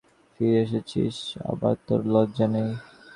সর্বনাশিনী, বেজাতের ঘর থেকে ফিরে এসেছিস, আবার তোর লজ্জা নেই!